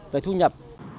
rồi thu nhập